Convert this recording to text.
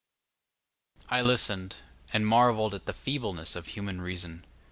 I listened, and marvelled at the feebleness of human reason.